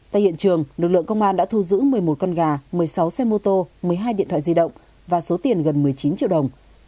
tại hiện trường lực lượng công an đã thu giữ một mươi một con gà một mươi sáu xe mô tô một mươi hai điện thoại di động và số tiền gần một mươi chín triệu đồng